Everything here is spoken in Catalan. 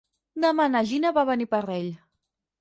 Demà na Gina va a Beniparrell.